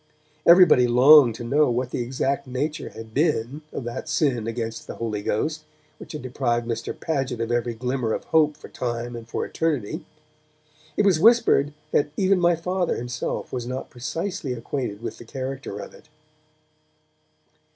Everybody longed to know what the exact nature had been of that sin against the Holy Ghost which had deprived Mr. Paget of every glimmer of hope for time or for eternity. It was whispered that even my Father himself was not precisely acquainted with the character of it.